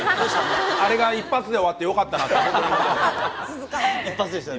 あれが一発で終わってよかったなって、本当に思いましたね。